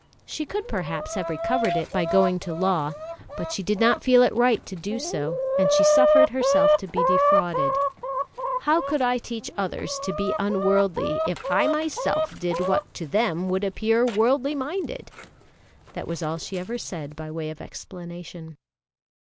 She could, perhaps, have recovered it by going to law, but she did not feel it right to do so, and she suffered herself to be defrauded. "How could I teach others to be unworldly if I myself did what to them would appear worldly minded?" That was all she ever said by way of explanation.